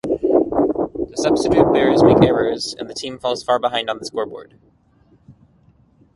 The substitute Bears make errors and the team falls far behind on the scoreboard.